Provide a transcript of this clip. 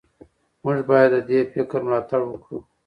موږ باید د دې فکر ملاتړ وکړو.